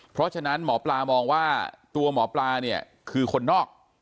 เพราะฉะนั้นหมอปลามองว่าตัวหมอปลาเนี่ยคือคนนอก